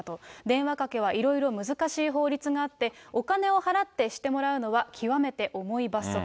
電話かけはいろいろ難しい法律があって、お金を払ってしてもらうのは極めて重い罰則。